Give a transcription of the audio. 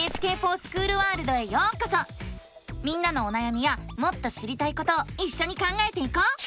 みんなのおなやみやもっと知りたいことをいっしょに考えていこう！